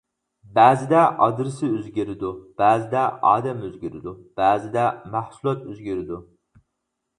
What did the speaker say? بەزىدە ئادرېسى ئۆزگىرىدۇ، بەزىدە ئادەم ئۆزگىرىدۇ، بەزىدە مەھسۇلات ئۆزگىرىدۇ.